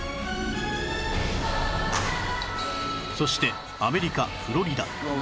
そしてアメリカフロリダ